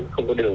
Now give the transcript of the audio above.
không có đường